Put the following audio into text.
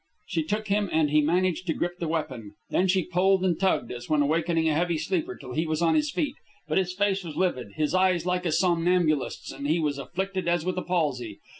She shook him, and he managed to grip the weapon. Then she pulled and tugged, as when awakening a heavy sleeper, till he was on his feet. But his face was livid, his eyes like a somnambulist's, and he was afflicted as with a palsy.